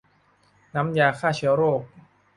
น้ำยาฆ่าเชื้อโรค